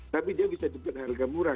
tapi dia bisa diberikan harga murah